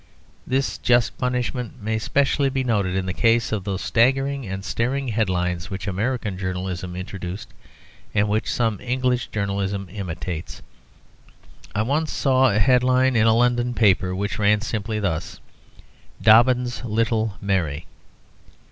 This just punishment may specially be noticed in the case of those staggering and staring headlines which American journalism introduced and which some English journalism imitates. I once saw a headline in a London paper which ran simply thus: "Dobbin's Little Mary."